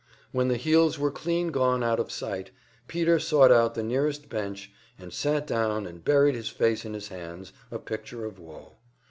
When the heels were clean gone out of sight, Peter sought out the nearest bench and sat down and buried his face in his hands, a picture of woe.